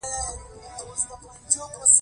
د مسجد جوړولو قدم لومړی احمد پورته کړ.